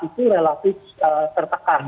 itu relatif tertekan